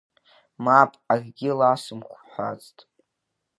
Мап, акгьы ласымҳәацт.